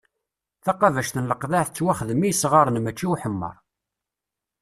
Taqabact n leqḍiɛ tettwaxdem i yesɣaren mači i uḥemmeṛ.